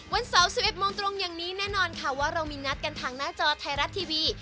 วันเสาร์๑๑โมงตรงอย่างนี้แน่นอนค่ะว่าเรามีนัดกันทางหน้าจอไทยรัฐทีวี